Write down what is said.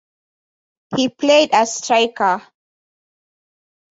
He played as Striker.